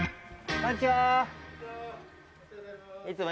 ・こんにちは